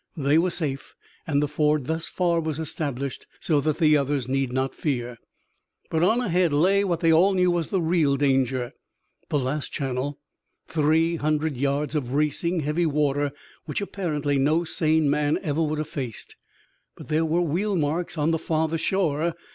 They were safe, and the ford thus far was established so that the others need not fear. But on ahead lay what they all knew was the real danger the last channel, three hundred yards of racing, heavy water which apparently no sane man ever would have faced. But there were wheel marks on the farther shore.